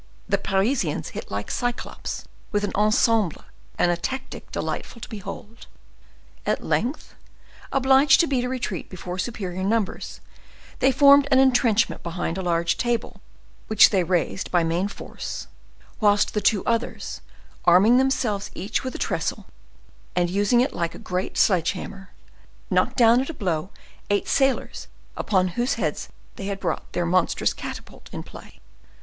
The Parisians hit like Cyclops, with an ensemble and a tactic delightful to behold. At length, obliged to beat a retreat before superior numbers, they formed an intrenchment behind the large table, which they raised by main force; whilst the two others, arming themselves each with a trestle, and using it like a great sledge hammer, knocked down at a blow eight sailors upon whose heads they had brought their monstrous catapult in play.